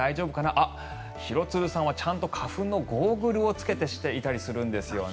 あ、廣津留さんはちゃんと花粉のゴーグルを着けていたりするんですよね。